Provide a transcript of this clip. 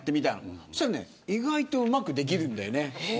そしたら、意外とうまくできるんだよね。